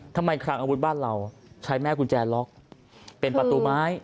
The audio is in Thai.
คลังอาวุธบ้านเราใช้แม่กุญแจล็อกเป็นประตูไม้